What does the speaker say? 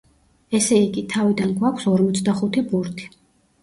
ესე იგი, თავიდან გვაქვს ორმოცდახუთი ბურთი.